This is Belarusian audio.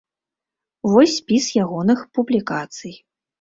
Вось спіс ягоных публікацый.